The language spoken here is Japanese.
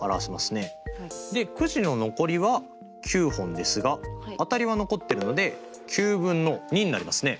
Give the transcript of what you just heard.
でくじの残りは９本ですが当たりは残っているので９分の２になりますね。